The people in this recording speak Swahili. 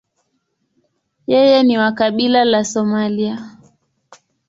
Yeye ni wa kabila la Somalia.